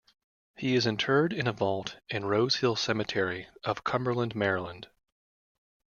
He is interred in a vault in Rose Hill Cemetery of Cumberland, Maryland.